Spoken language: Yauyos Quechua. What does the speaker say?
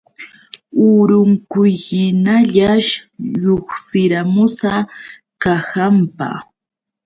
Urunquyhiñallash lluqsiramusa kahanpa.